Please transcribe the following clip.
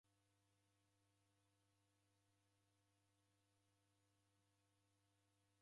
Kampuni eaghia w'ana w'a w'abonyi kazi skulu.